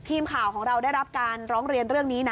ทีมข่าวของเราได้รับการร้องเรียนเรื่องนี้นะ